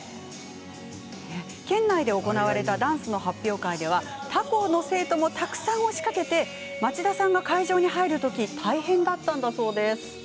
県内で行われたダンスの発表会では他校の生徒もたくさん押しかけ町田さんが会場に入るときは大変だったんだそうです。